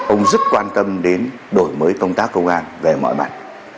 ông rất quan tâm đến đổi mới công tác công an về mọi mặt